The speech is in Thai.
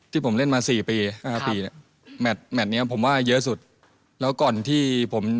ที่ผมเล่นมา๔ปี๕ปีเนี่ยแมทผมว่าเยอะสุดแล้วก่อนที่ผม